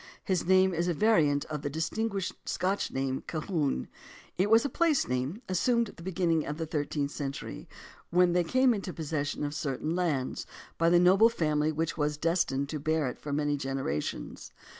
His name is a variant of the distinguished Scotch name Colquhoun. It was a place name, assumed at the beginning of the thirteenth century, when they came into possession of certain lands, by the noble family which was destined to bear it for many generations.